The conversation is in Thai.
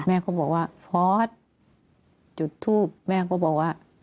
แม่ก็บอกว่าฟอร์สจุดทูปแม่ก็บอกว่า